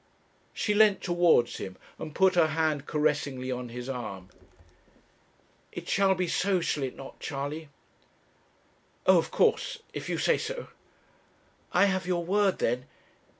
She leant towards him and put her hand caressingly on his arm. 'It shall be so, shall it not, Charley?' 'Oh, of course, if you say so.' 'I have your word, then?